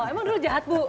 oh emang dulu jahat ibu